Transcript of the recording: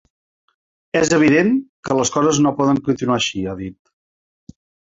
És evident que les coses no poden continuar així, ha dit.